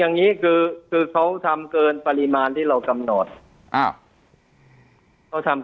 อย่างนี้คือคือเขาทำเกินปริมาณที่เรากำหนดอ่าเขาทำ